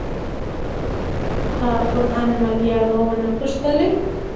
تا قران مل یارو ونه پوښتلئ